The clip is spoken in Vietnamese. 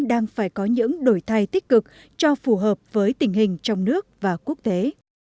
đang phải có những đổi thay tích cực cho phù hợp với tình hình trong nước và quốc tế